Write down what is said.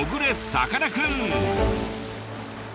さかなクン！